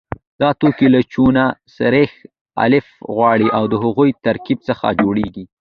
دا توکي له چونه، سريښ، الف غوړي او د هغوی ترکیب څخه جوړیږي.